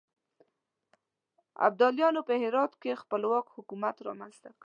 ابدالیانو په هرات کې خپلواک حکومت رامنځته کړ.